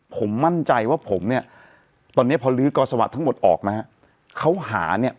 ผมมั่นใจว่าผมเนี่ยตอนนี้พอลื้อกอสวะทั้งหมดออกมา